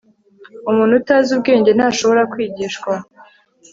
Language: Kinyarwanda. umuntu utazi ubwenge ntashobora kwigishwa